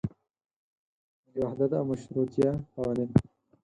ملي وحدت او مشروطیه قوانین.